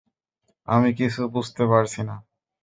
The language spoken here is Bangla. আমি কিছু বুঝতে পারছি না!